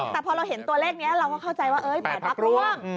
แต่พอเราเห็นตัวเลขนี้เราก็เข้าใจว่า๘พักร่วม